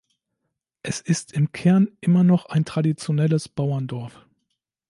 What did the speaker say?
Es ist im Kern immer noch ein traditionelles Bauerndorf.